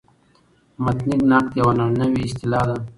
متني نقد یوه نوې اصطلاح ده.